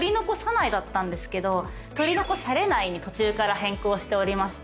「取り残されない」に途中から変更しておりまして。